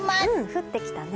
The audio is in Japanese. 降ってきたね。